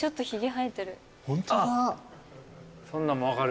そんなんも分かる？